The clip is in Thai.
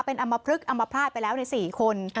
เป็นอำมพลึกอำมภาษณ์ไปแล้วใน๔คน